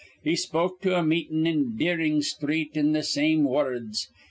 He spoke to a meetin' in Deerin' Sthreet in th' same wurads.